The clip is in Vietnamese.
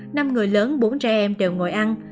năm người lớn bốn trẻ em đều ngồi ăn